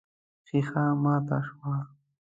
ښيښه ماته شوه.